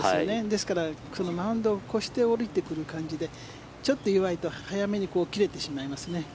ですからそのマウンドを越して下りてくる感じでちょっと弱いと早めに切れてしまいますね。